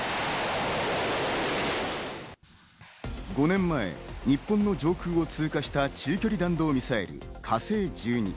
５年前、日本の上空を通過した中距離弾道ミサイル「火星１２」。